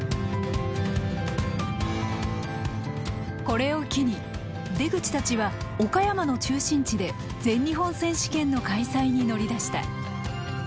これを機に出口たちは岡山の中心地で全日本選手権の開催に乗り出した。